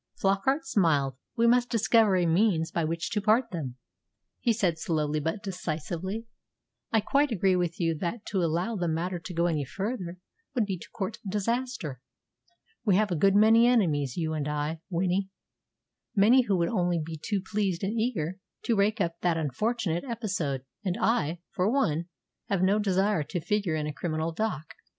Flockart smiled. "We must discover a means by which to part them," he said slowly but decisively. "I quite agree with you that to allow the matter to go any further would be to court disaster. We have a good many enemies, you and I, Winnie many who would only be too pleased and eager to rake up that unfortunate episode. And I, for one, have no desire to figure in a criminal dock."